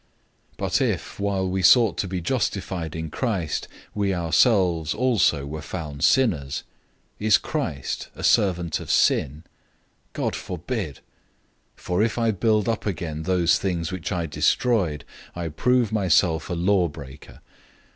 002:017 But if, while we sought to be justified in Christ, we ourselves also were found sinners, is Christ a servant of sin? Certainly not! 002:018 For if I build up again those things which I destroyed, I prove myself a law breaker.